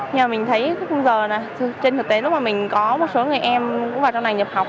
nhưng mà mình thấy khung giờ này trên thực tế lúc mà mình có một số người em cũng vào trong này nhập học